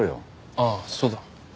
ああそうだ。